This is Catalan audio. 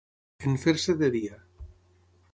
En fer-se de dia.